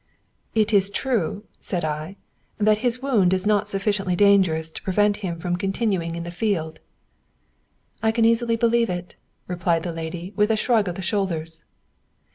"It is true," said I, "that his wound is not sufficiently dangerous to prevent him from continuing in the field." "I can easily believe it," replied the lady, with a shrug of the shoulders.